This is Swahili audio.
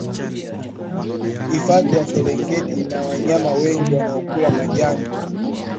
hifadhi ya serengeti ina wanyama wengi wanaokula majani